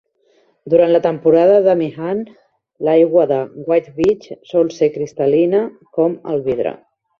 Durant la temporada d'Amihan, l'aigua de White Beach sol ser cristal·lina com el vidre.